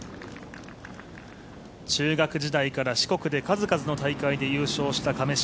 中学時代から四国で数々の大会で優勝した亀代。